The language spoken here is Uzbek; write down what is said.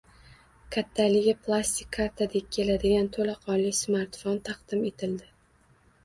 Kattaligi plastik kartadek keladigan to‘laqonli smartfon taqdim etildi